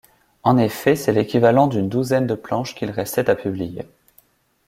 En effet, c'est l'équivalent d'une douzaine de planches qu'il restait à publier.